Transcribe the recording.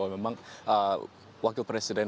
memang wakil presiden